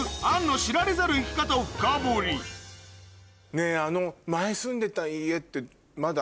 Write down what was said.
ねぇあの。